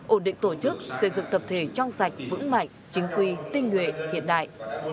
ổn định tổ chức xây dựng tập thể trong sạch vững mạnh chính quy tinh nguyện hiện đại